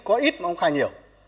có ít mà ông khai nhiều